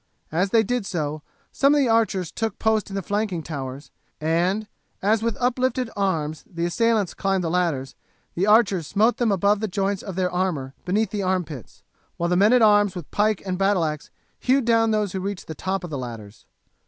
As they did so, some of the archers took post in the flanking towers, and as with uplifted arms the assailants climbed the ladders, the archers smote them above the joints of their armour beneath the arm pits, while the men at arms with pike and battle axe hewed down those who reached the top of the ladders.